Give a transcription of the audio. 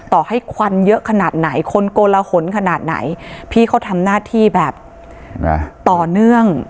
ต่อให้ควันเยอะขนาดไหนคนโกลหนขนาดไหนพี่เขาทำหน้าที่แบบต่อเนื่อง